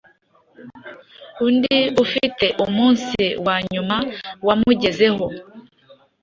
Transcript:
undi ufite umunsi wanyuma wamugezeho